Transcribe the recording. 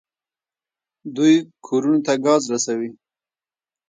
دوی کورونو ته ګاز رسوي.